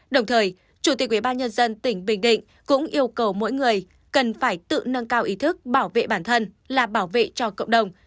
đồng thời chủ tịch ubnd tỉnh bình định cũng yêu cầu mỗi người cần phải tự nâng cao ý thức bảo vệ bản thân là bảo vệ cho cộng đồng